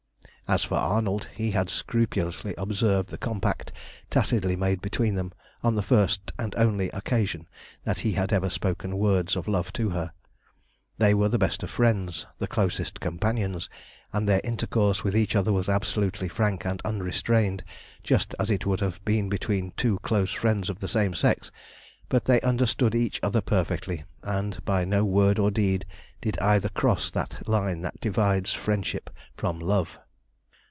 As for Arnold, he had scrupulously observed the compact tacitly made between them on the first and only occasion that he had ever spoken words of love to her. They were the best of friends, the closest companions, and their intercourse with each other was absolutely frank and unrestrained, just as it would have been between two close friends of the same sex; but they understood each other perfectly, and by no word or deed did either cross the line that divides friendship from love.